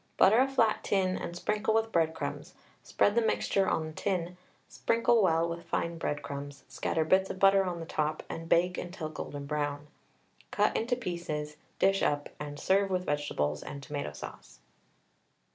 Butter a flat tin and sprinkle with breadcrumbs, spread the mixture on the tin, sprinkle well with fine breadcrumbs, scatter bits of butter on the top, and bake until golden brown. Cut into pieces, dish up, and serve with vegetables and tomato sauce.